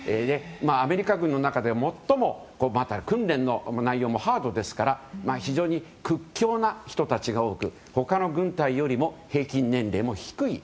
アメリカ軍の中では最も訓練の内容もハードですから非常に屈強な人たちが多く他の部隊よりも平均年齢も低い。